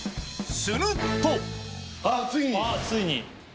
するとあっついに！